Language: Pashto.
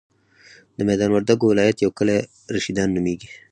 د ميدان وردګو ولایت یو کلی رشیدان نوميږي.